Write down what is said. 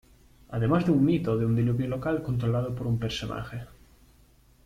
Además de un mito de un diluvio local controlado por un personaje.